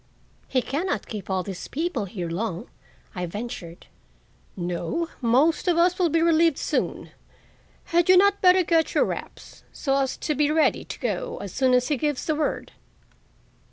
"He can not keep all these people here long," I ventured. "No; most of us will be relieved soon. Had you not better get your wraps so as to be ready to go as soon as he gives the word?"